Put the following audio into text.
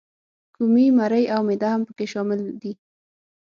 کومي، مرۍ او معده هم پکې شامل دي.